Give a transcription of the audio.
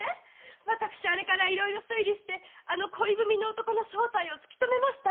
私あれからいろいろ推理してあの恋文の男の正体を突き止めました！